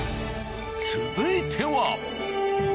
続いては。